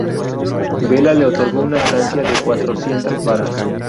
Vela le otorgó una estancia de cuatrocientas varas.